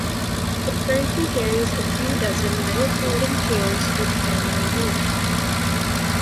It currently carries a few dozen metal folding chairs for the annual meet.